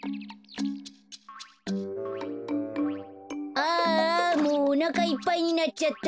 ああもうおなかいっぱいになっちゃった。